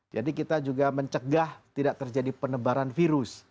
jadi kita juga mencegah tidak terjadi penebaran virus